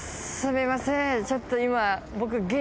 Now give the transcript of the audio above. ちょっと今。